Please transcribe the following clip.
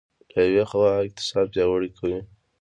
له یوې خوا اقتصاد پیاوړی کوي.